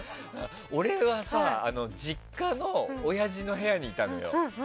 俺は実家のおやじの部屋にいたのよ。